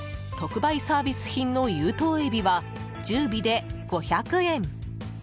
特売サービス品の有頭エビは１０尾で５００円。